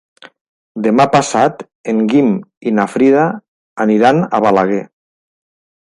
Demà passat en Guim i na Frida aniran a Balaguer.